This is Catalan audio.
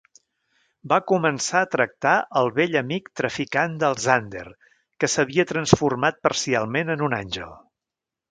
Va començar a tractar el vell amic traficant del Zander, que s'havia transformat parcialment en un àngel.